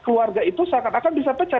keluarga itu seakan akan bisa pecah